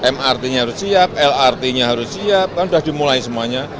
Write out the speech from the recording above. mrt nya harus siap lrt nya harus siap kan sudah dimulai semuanya